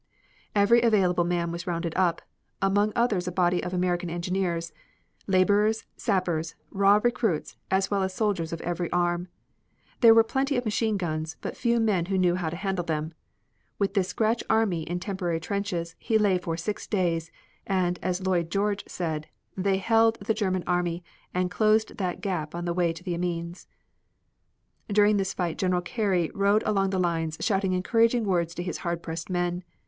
Every available man was rounded up, among others a body of American engineers. Laborers, sappers, raw recruits as well as soldiers of every arm. There were plenty of machine guns, but few men knew how to handle them. With this scratch army in temporary trenches, he lay for six days, and as Lloyd George said, "They held the German army and closed that gap on the way to Amiens." During this fight General Carey rode along the lines shouting encouraging words to his hard pressed men.